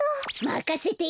まかせて！